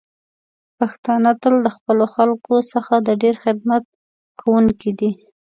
پښتانه تل د خپلو خلکو څخه د ډیر خدمت کوونکی دی.